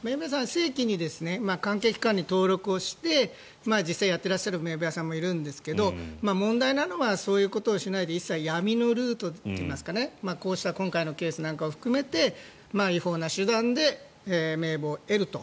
正規に関係機関に登録して実際にやってらっしゃる名簿屋さんもいるんですが問題なのはそういうことをしないで一切、闇のルートといいますかこうした今回のケースなんかも含めて違法な手段で名簿を得ると。